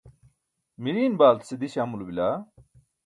miriiṅ baaltase diś amulo bila?